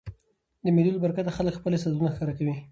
د مېلو له برکته خلک خپل استعدادونه ښکاره کوي.